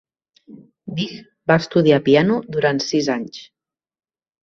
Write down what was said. Vig va estudiar piano durant sis anys.